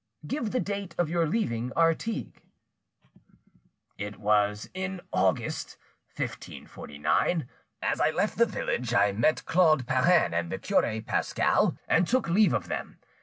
"Give the date of your leaving Artigues." "It was in August 1549. As I left the village, I met Claude Perrin and the cure Pascal, and took leave of them.